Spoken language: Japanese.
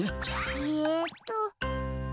えっと。